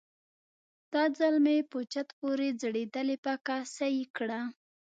دا ځل مې په چت پورې ځړېدلې پکه سهي کړه.